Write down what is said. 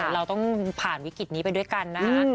เราต้องผ่านวิกฤตนี้ไปด้วยกันนะคะ